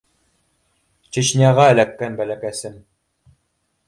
Чечняға эләккән бәләкәсем.